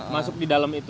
masuk di dalam itu